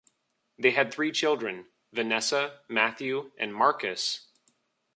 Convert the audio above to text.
They had three children: Vanessa, Matthew, and Marcus.